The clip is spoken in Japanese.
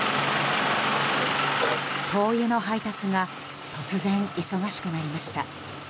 灯油の配達が突然、忙しくなりました。